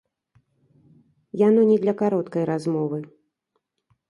Яно не для кароткай размовы.